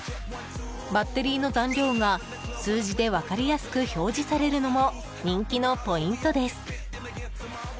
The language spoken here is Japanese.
バッテリーの残量が、数字で分かりやすく表示されるのも人気のポイントです。